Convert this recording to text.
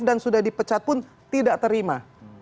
dan sudah di pecat pun tidak terima